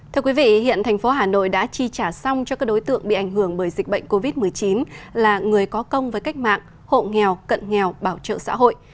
thưa quý vị hiện tp hcm đã chi trả xong cho các đối tượng bị ảnh hưởng bởi dịch bệnh covid một mươi chín là người có công với cách mạng hộ nghèo cận nghèo bảo trợ xã hội